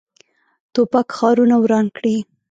توپک ښارونه وران کړي.